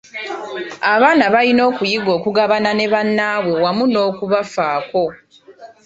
Abaana balina okuyiga okugabana ne bannaabwe wamu n’okubafaako.